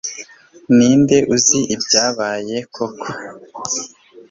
Ninde uzi ibyabaye koko